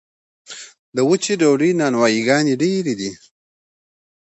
د وچې ډوډۍ نانوایي ګانې ډیرې دي